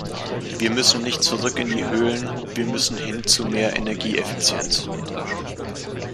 Wir müssen nicht zurück in die Höhlen, wir müssen hin zu mehr Energieeffizienz!